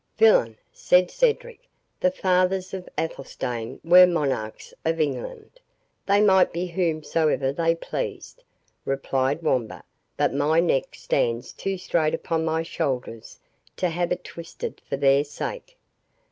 "Villain," said Cedric, "the fathers of Athelstane were monarchs of England!" "They might be whomsoever they pleased," replied Wamba; "but my neck stands too straight upon my shoulders to have it twisted for their sake.